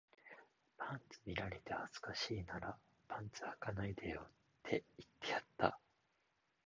パンツ見られて恥ずかしいならパンツ履かないでよって言ってやった